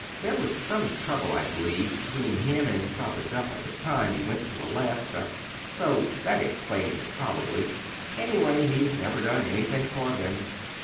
There was some trouble, I believe, between him and Father Duff at the time he went to Alaska, so that explains it, probably. Anyway, he's never done anything for them.